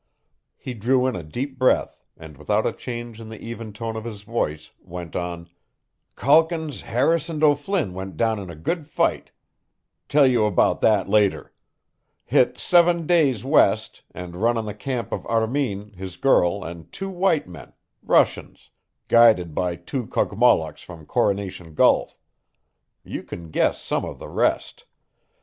He drew in a deep breath, and without a change in the even tone of his voice, went on: "Calkins, Harris and O'Flynn went down in a good fight. Tell you about that later. Hit seven days' west, and run on the camp of Armin, his girl, and two white men Russians guided by two Kogmollocks from Coronation Gulf. You can guess some of the rest.